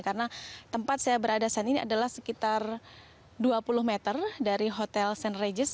karena tempat saya berada di sana ini adalah sekitar dua puluh meter dari hotel st regis